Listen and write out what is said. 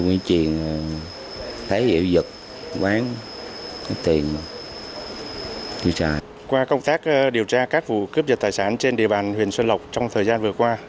ngoài công tác điều tra các vụ cướp giật tài sản trên địa bàn huyện xuân lộc trong thời gian vừa qua